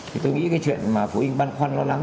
thì tôi nghĩ cái chuyện mà phụ huynh băn khoăn lo lắng